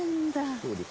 そうです。